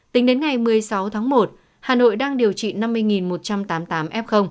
tính đến ngày một mươi sáu tháng một hà nội đang điều trị năm mươi một trăm tám mươi tám f